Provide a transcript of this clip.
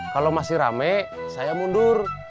kalau masih rame saya mundur